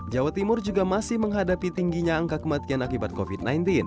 jawa timur juga masih menghadapi tingginya angka kematian akibat covid sembilan belas